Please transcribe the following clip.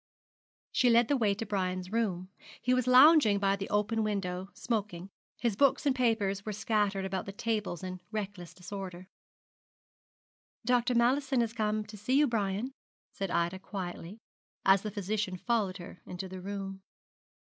She led the way to Brian's room. He was lounging by the open window, smoking; his books and papers were scattered about the tables in reckless disorder. 'Dr. Mallison has come to see you, Brian,' said Ida, quietly, as the physician followed her into the room.